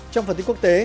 trong phần tin quốc tế